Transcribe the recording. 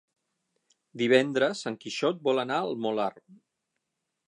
Divendres en Quixot vol anar al Molar.